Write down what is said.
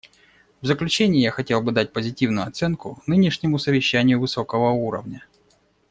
В заключение я хотел бы дать позитивную оценку нынешнему совещанию высокого уровня.